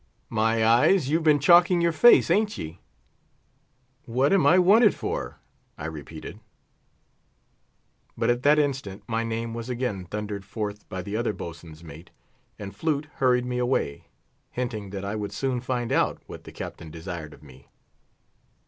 "My eyes! you've been chalking your face, hain't ye?" "What am I wanted for?" I repeated. But at that instant my name was again thundered forth by the other boatswain's mate, and Flute hurried me away, hinting that I would soon find out what the Captain desired of me.